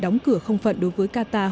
đóng cửa không phận đối với qatar